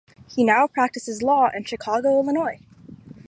He now practices law in Chicago, Illinois.